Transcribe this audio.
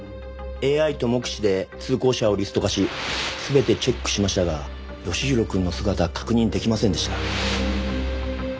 ＡＩと目視で通行者をリスト化し全てチェックしましたが吉宏くんの姿は確認できませんでした。